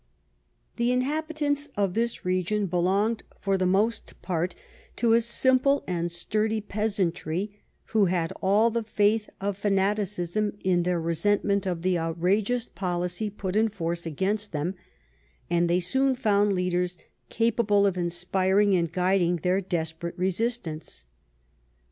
The inhabitants of this region 92 ON THE ROUGH EDGE OF BATTLE belonged for the most part to a simple and sturdy peasantry, who had all the faith of fanaticism in their resentment of the outrageous policy put in force against them, and they soon found leaders capable of inspiring and guiding their desperate resistance.